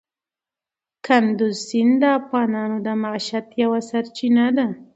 کندز سیند د افغانانو د معیشت یوه سرچینه ده.